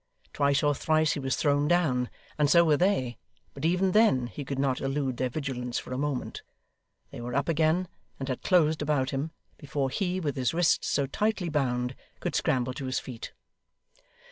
Twice or thrice he was thrown down, and so were they; but even then, he could not elude their vigilance for a moment. They were up again, and had closed about him, before he, with his wrists so tightly bound, could scramble to his feet.